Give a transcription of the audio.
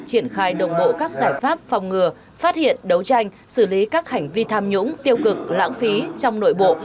triển khai đồng bộ các giải pháp phòng ngừa phát hiện đấu tranh xử lý các hành vi tham nhũng tiêu cực lãng phí trong nội bộ